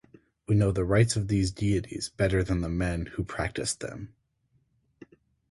We know the rites of these deities better than the men who practiced them.